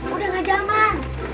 udah gak jaman